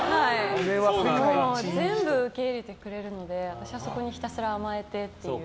全部受け入れてくれるので私はそこにひたすら甘えてっていう。